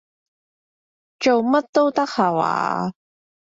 做乜都得下話？